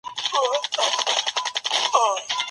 کمزوری اقتصاد تعلیمي کچه هم راټیټوي.